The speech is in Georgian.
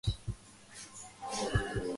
სახლი ერთსართულიანია, ნაგებია აგურით.